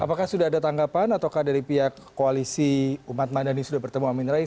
apakah sudah ada tanggapan ataukah dari pihak koalisi umat madani sudah bertemu amin rais